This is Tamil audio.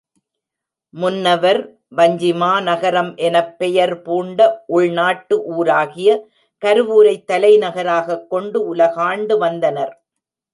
முன்னவர், வஞ்சிமா நகரம் எனப் பெயர் பூண்ட உள்நாட்டு ஊராகிய கருவூரைத் தலைநகராகக் கொண்டு உலகாண்டு வந்தனர்.